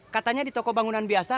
katanya di toko bangunan biasa